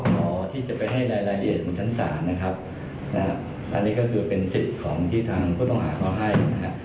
หมอที่จะไปให้รายละเอียดบนชั้นศาลนะครับนะครับอันนี้ก็คือเป็นสิทธิ์ของที่ทางผู้ต้องหาเขาให้นะครับ